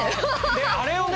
であれをね。